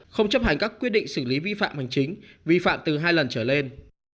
không chấp hành các quyết định xử lý vi phạm hành chính vi phạm từ hai lần trở lên